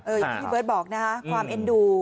อย่างที่พี่เบิร์ตบอกนะคะความเอ็นดู